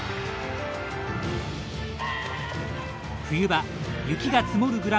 冬場、雪が積もる